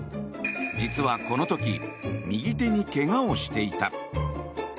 実は、この時右手にけがをしていた。